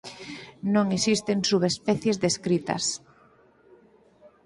Non existen subespecies descritas.